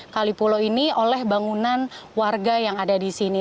kali pulo ini oleh bangunan warga yang ada di sini